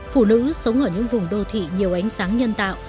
phụ nữ sống ở những vùng đô thị nhiều ánh sáng nhân tạo